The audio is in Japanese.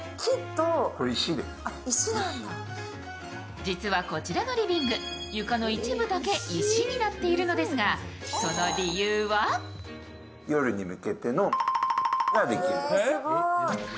実はこちらのリビング、床の一部だけ石になっているのですが、その理由がえっ？